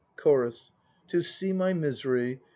... CHORUS. "To see my misery!